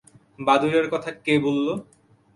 বাদুড়ের কথা কে বললো?